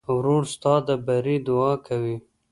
ورور ستا د بري دعا کوي.